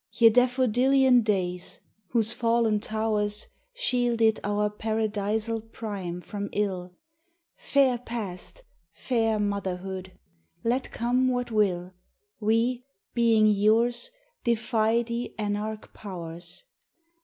YE daffodilian days, whose fallen towers Shielded our paradisal prime from ill, Fair past, fair motherhood! let come what will, We, being yours, defy the anarch powers.